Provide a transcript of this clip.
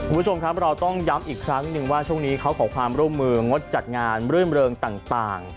คุณผู้ชมครับเราต้องย้ำอีกครั้งหนึ่งว่าช่วงนี้เขาขอความร่วมมืองดจัดงานรื่นเริงต่าง